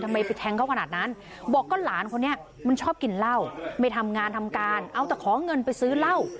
ไปแทงเขาขนาดนั้นบอกก็หลานคนนี้มันชอบกินเหล้าไม่ทำงานทำการเอาแต่ขอเงินไปซื้อเหล้า